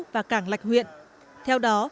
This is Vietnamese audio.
và cảng lạch huyện theo đó